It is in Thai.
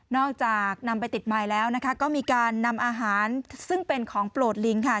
จากนำไปติดใหม่แล้วนะคะก็มีการนำอาหารซึ่งเป็นของโปรดลิงค่ะ